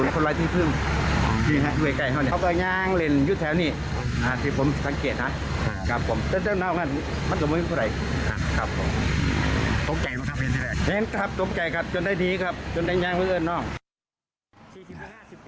ครับจมแก่จนได้นี้ครับจนได้งานเพื่อเอนชร่ะ